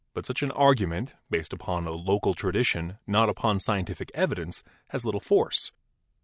But such an argument, based upon a local tradition, not upon scientific evidence, has little force.